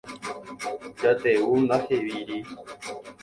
Jatevu ndahevíri.